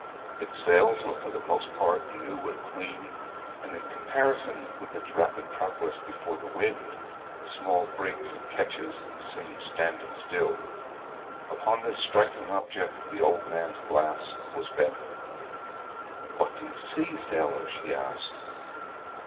Its sails were for the most part new and clean, and in comparison with its rapid progress before the wind the small brigs and ketches seemed standing still. Upon this striking object the old man's glass was bent. 'What do you see, sailor?' she asked.